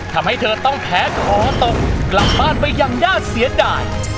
ทำให้เธอต้องแพ้ขอตกกลับบ้านไปอย่างน่าเสียดาย